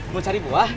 mau cari buah